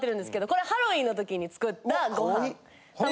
これハロウィンの時に作ったごはん。